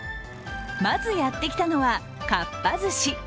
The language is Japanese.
まずやってきたのはかっぱ寿司。